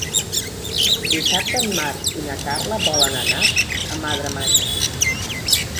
Dissabte en Marc i na Carla volen anar a Madremanya.